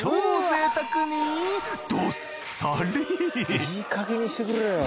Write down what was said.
いいかげんにしてくれよ。